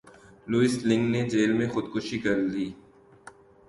Louis لنگ نے jail میں خود کشی کر لی